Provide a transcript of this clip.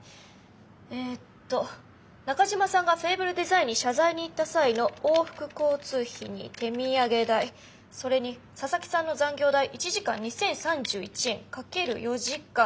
えっと中島さんがフェーブルデザインに謝罪に行った際の往復交通費に手土産代それに佐々木さんの残業代１時間２，０３１円×４時間。